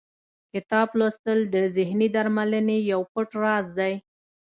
کتاب لوستل د ذهني درملنې یو پټ راز دی.